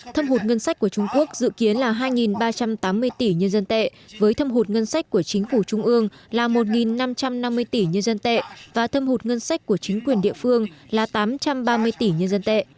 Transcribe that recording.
thâm hụt ngân sách của trung quốc dự kiến là hai ba trăm tám mươi tỷ nhân dân tệ với thâm hụt ngân sách của chính phủ trung ương là một năm trăm năm mươi tỷ nhân dân tệ và thâm hụt ngân sách của chính quyền địa phương là tám trăm ba mươi tỷ nhân dân tệ